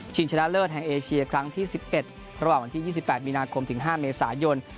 ชนะเลิศแห่งเอเชียครั้งที่๑๑ระหว่างวันที่๒๘มีนาคมถึง๕เมษายน